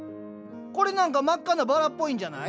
これなんか真っ赤なバラっぽいんじゃない？